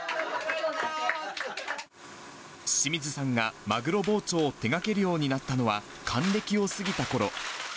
清水さんがマグロ包丁を手がけるようになったのは、還暦を過ぎたころ。